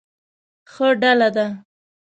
ښه ډله ده.